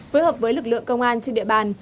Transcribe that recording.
phối hợp với lực lượng công an trên địa bàn